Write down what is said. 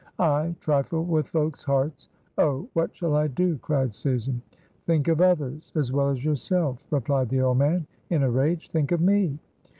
"I trifle with folks' hearts! Oh! what shall I do!" cried Susan. "Think of others as well as yourself," replied the old man in a rage. "Think of me."